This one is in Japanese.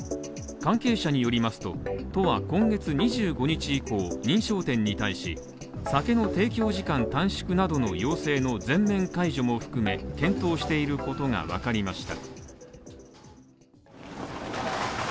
関係者によりますと、都は今月２５日以降、認証店に対し、酒の提供時間短縮などの要請の全面解除も含め検討していることがわかりました。